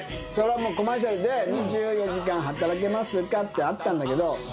それはもうコマーシャルで「２４時間働けますか」ってあったんだけど。